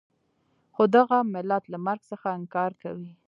خو دغه ملت له مرګ څخه انکار کوي.